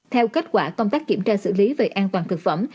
theo kết quả công tác kiểm tra xử lý về an toàn thực phẩm